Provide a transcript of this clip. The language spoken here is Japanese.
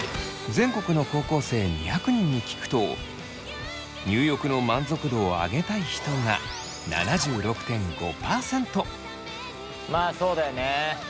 全国の高校生２００人に聞くと入浴の満足度をあげたい人がまあそうだよね。